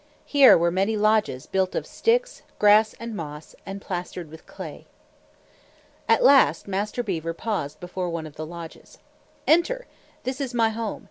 Here were many lodges, built of sticks, grass and moss, and plastered with clay. At last Master Beaver paused before one of the lodges. "Enter! This is my home.